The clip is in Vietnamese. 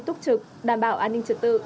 túc trực đảm bảo an ninh trực tự